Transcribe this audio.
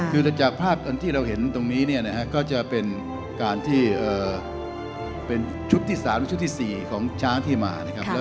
คือจากภาพที่เราเห็นตรงนี้เนี่ยนะครับก็จะเป็นชุดที่สามชุดที่สี่ของช้างที่มานะครับ